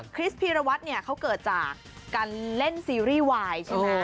คริสพีรวาทเขาเกิดจากกาเลเล่นซีรีส์ไว